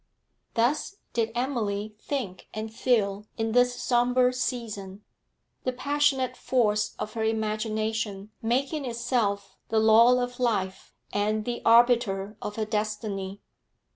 Thus did Emily think and feel in this sombre season, the passionate force of her imagination making itself the law of life and the arbiter of her destiny.